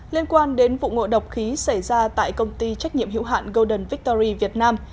liên quan đến vụ ngộ độc khí xảy ra tại công ty trách nhiệm hiệu hạn golden victory việt nam